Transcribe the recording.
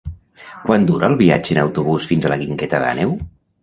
Quant dura el viatge en autobús fins a la Guingueta d'Àneu?